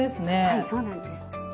はいそうなんです。